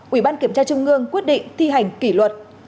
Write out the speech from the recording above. một ủy ban kiểm tra chung ngương quyết định thi hành kỷ luật